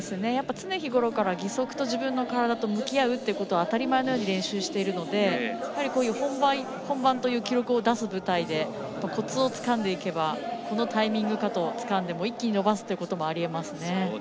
常日頃から義足と自分の体と向き合うということを当たり前のように練習しているので本番という記録を出す舞台でこつをつかんでいけばこのタイミングかとつかんで一気に伸ばすこともありえますね。